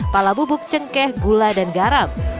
pala bubuk cengkeh gula dan garam